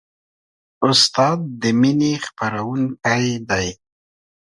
استاد د مینې خپروونکی دی.